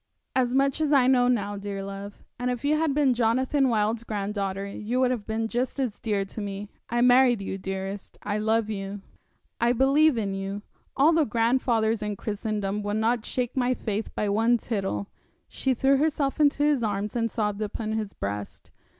'As much as I know now, dear love. If you had been Jonathan Wild's granddaughter you would have been just as dear to me. I married you, dearest; I love you; I believe in you. All the grandfathers in Christendom would not shake my faith by one tittle.' She threw herself into his arms, and sobbed upon his breast.